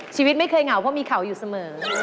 ชีวิตไม่เคยเหงาเพราะมีเขาอยู่เสมอ